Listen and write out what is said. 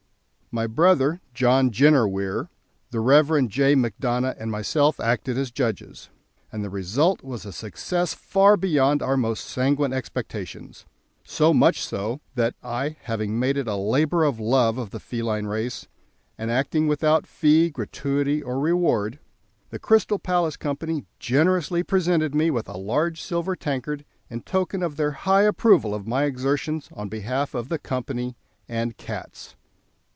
My brother, John Jenner Weir, the Rev. J. Macdona, and myself acted as judges, and the result was a success far beyond our most sanguine expectations so much so that I having made it a labour of love of the feline race, and acting "without fee, gratuity, or reward," the Crystal Palace Company generously presented me with a large silver tankard in token of their high approval of my exertions on behalf of "the Company," and Cats.